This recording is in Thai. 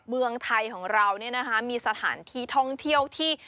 เมืองไทยของเราเนี่ยนะคะมีสถานที่ท่องเที่ยวที่